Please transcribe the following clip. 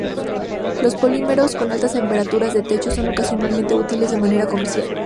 Los polímeros con altas temperaturas de techo son ocasionalmente útiles de manera comercial.